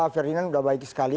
ferdinand udah baik sekali